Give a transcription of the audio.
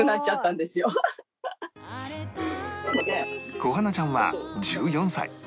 小花ちゃんは１４歳